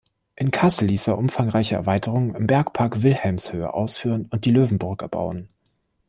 In Kassel ließ er umfangreiche Erweiterungen im Bergpark Wilhelmshöhe ausführen und die Löwenburg erbauen.